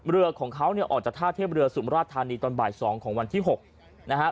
เรือของเขาเนี่ยออกจากท่าเทียบเรือสุมราชธานีตอนบ่าย๒ของวันที่๖นะฮะ